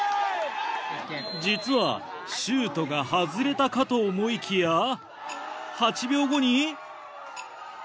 実はシュートが外れたかと思いきや８秒後に。